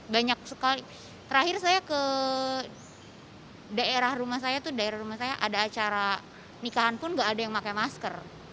banyak sekali terakhir saya ke daerah rumah saya itu daerah rumah saya ada acara nikahan pun gak ada yang pakai masker